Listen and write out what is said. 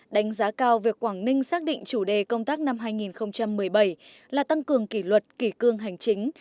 đánh giá cao việc quảng ninh xác định chủ đề công tác năm hai nghìn một mươi bảy là tăng cường kỷ luật kỷ cương hành chính